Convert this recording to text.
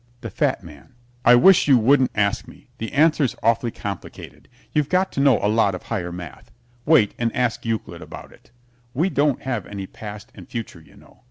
THE FAT MAN I wish you wouldn't ask me. The answer's awfully complicated. You've got to know a lot of higher math. Wait and ask Euclid about it. We don't have any past and future, you know.